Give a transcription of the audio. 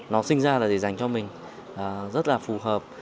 nó sinh ra là gì dành cho mình rất là phù hợp